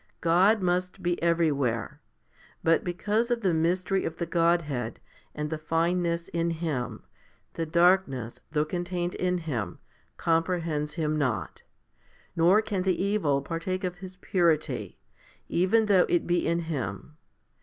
God must be everywhere ; but because of the mystery of the Godhead and the fineness in Him, the darkness, though contained in Him, comprehends Him not ; nor can the evil partake of His purity, even though it be in Him.